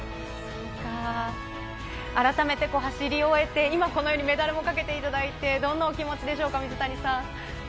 改めて走り終えて、今、このようにメダルもかけていただいて、どんなお気持ちでしょうか、水谷さん。